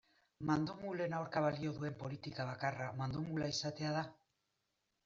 Mandomulen aurka balio duen politika bakarra mandomula izatea da?